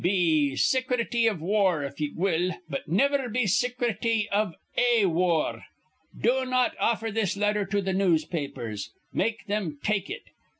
Be sicrety of war, if ye will; but niver be sicrety iv A war. Do not offer this letter to th' newspapers. Make thim take it.